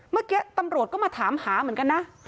เมื่อกี้ตำรวจก็มาถามหาเหมือนกันนะ